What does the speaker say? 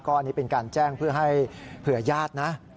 อันนี้เป็นการแจ้งเพื่อให้เผื่อญาตินะ